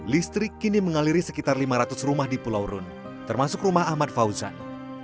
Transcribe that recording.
listrik kini mengaliri sekitar lima ratus rumah di pulau rune termasuk rumah ahmad fauzan